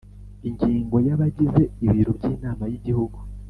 ingingo ya bagize ibiro by inama y igihugu